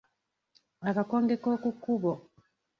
Akakonge k’oku kkubo.